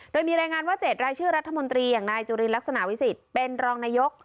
โดยมีรายงานว่า๗รายชื่อรัฐมนตรีอย่างนายจุลินลักษณะวิสิทธิ์เป็นรองนายก